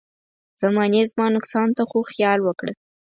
زمانې زما نقصان ته خو خيال وکړه.